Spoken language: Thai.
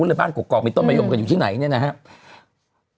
เป็นผลมาจากการที่แพทย์ได้ทำการตรวจร่างกายของนายระเมษอย่างละเอียด